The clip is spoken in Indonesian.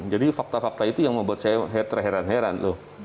jadi fakta fakta itu yang membuat saya terheran heran loh